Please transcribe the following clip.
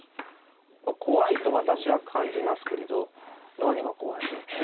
怖いと私は感じますけれど何が怖いんだっていう人も。